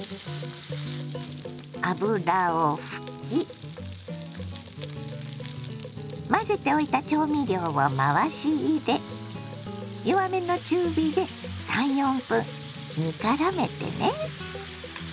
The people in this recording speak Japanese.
油を拭き混ぜておいた調味料を回し入れ弱めの中火で３４分煮からめてね。